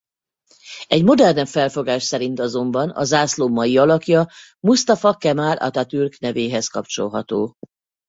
Egy modernebb felfogás szerint azonban a zászló mai alakja Mustafa Kemal Atatürk nevéhez kapcsolható.